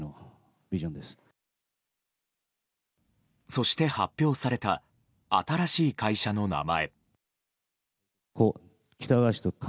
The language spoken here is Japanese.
そして、発表された新しい会社の名前。